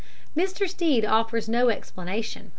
Mr. Stead offers no explanation.